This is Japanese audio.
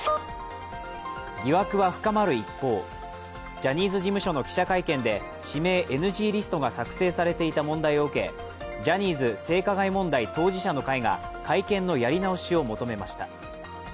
疑惑は深まる一方、ジャニーズ事務所の記者会見で指名ＮＧリストが作成されていた問題を受け、ジャニーズ性加害問題当事者の会が会見のやり直しを求めました。